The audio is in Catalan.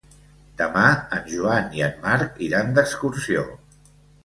Demà en Joan i en Marc iran d'excursió.